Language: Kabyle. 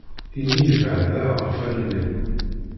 Imi ibɛed-aɣ ɣef allen-im.